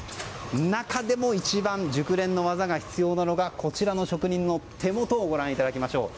中でも一番熟練の技が必要なのがこちらの職人の手元をご覧いただきましょう。